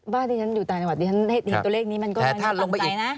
บ้างที่ฉันอยู่ต่างจังหวัดตัวเลขนี้มันก็ปัญหาขาดใจนะ